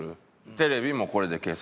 テレビもこれで消す。